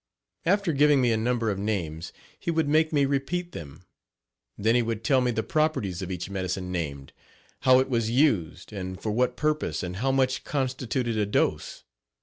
After giving me a number of names he would make me repeat them. Then he would tell me the properties of each medicine named, how it was used and for what purpose and how much constituted a dose.